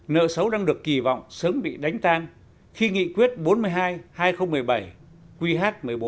nợ xấu đang được kỳ vọng sớm bị đánh tan khi nghị quyết bốn mươi hai hai nghìn một mươi bảy qh một mươi bốn